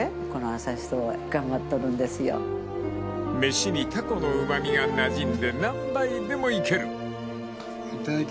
［飯にタコのうま味がなじんで何杯でもいける］